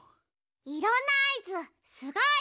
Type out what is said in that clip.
いろんなあいずすごい！